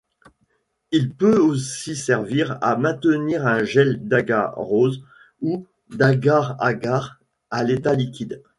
Il peut aussi servir à maintenir un gel d'agarose ou d'agar-agar à l'état liquide.